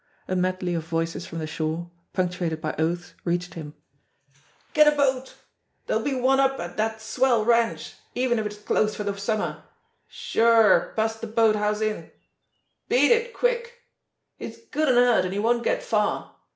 A medley of voices from the shore, punctuated by oaths, reached him : "Get a boat. ... Dere'll be one up at dat swell ranch even if it is closed for de summer. ... Sure! Bust de boathouse in. ... Beat it quick. ... He's good an' hurt, an' he won't get far.